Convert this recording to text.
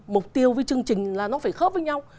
mục tiêu với chương trình là nó phải khớp với nhau